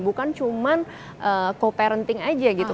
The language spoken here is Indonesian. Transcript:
bukan cuma co parenting aja gitu